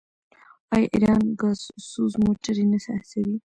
آیا ایران ګازسوز موټرې نه هڅوي؟